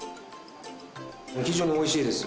非常においしいです。